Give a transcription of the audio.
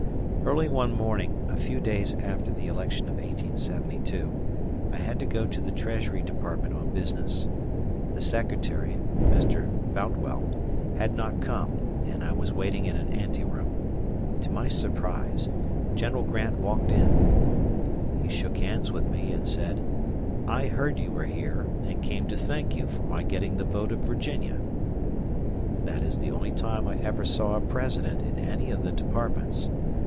Early one morning, a few days after the election of 1872, I had to go to the Treasury Department on business. The Secretary, Mr. Boutwell, had not come, and I was waiting in an anteroom. To my surprise, General Grant walked in. He shook hands with me, and said, "I heard you were here, and came to thank you for my getting the vote of Virginia." That is the only time I ever saw a President in any of the departments.